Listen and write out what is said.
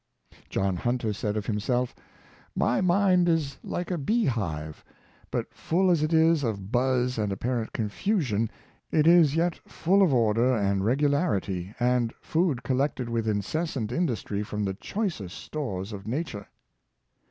John Hunter said of himself, " My mind is like a bee hive; but full as it is of buzz and^pparent confusion, it is yet full of order and regularity, and food collected with incessant industry from the choicest stores of na ture."